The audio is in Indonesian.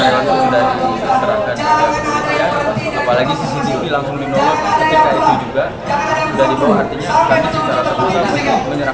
gimana sayang pratanya bayi cuma diri agak aw ped forgernya